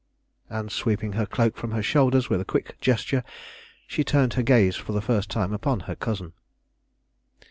And sweeping her cloak from her shoulders with a quick gesture, she turned her gaze for the first time upon her cousin.